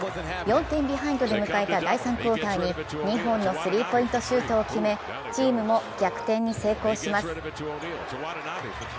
４点ビハインドで迎えた第３クオーターに２本のスリーポイントシュートを決めチームも逆転に成功します。